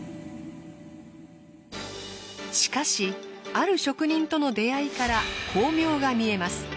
しかしある職人との出会いから光明が見えます。